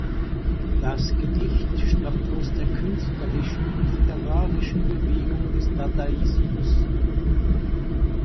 Das Gedicht stammt aus der künstlerischen und literarischen Bewegung des Dadaismus.